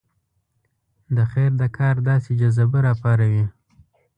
د خیر د کار داسې جذبه راپاروي.